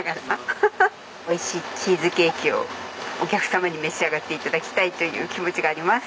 美味しいチーズケーキをお客様に召し上がって頂きたいという気持ちがあります。